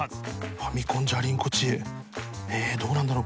ファミコン「じゃりン子チエ」┐Аどうなんだろう？